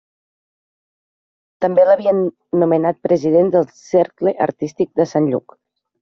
També l'havien nomenat president del Cercle Artístic de Sant Lluc.